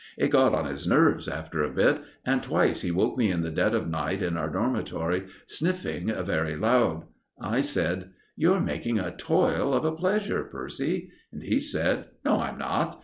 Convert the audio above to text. It got on his nerves after a bit, and twice he woke me in the dead of the night in our dormitory sniffing very loud. I said: "You're making a toil of a pleasure, Percy." And he said: "No, I'm not.